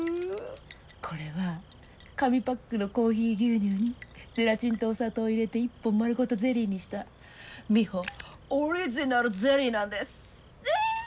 これは紙パックのコーヒー牛乳にゼラチンとお砂糖を入れて１本丸ごとゼリーにしたミホオリジナルゼリーなんです。